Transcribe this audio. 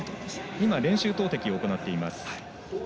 今、練習投てきを行っています。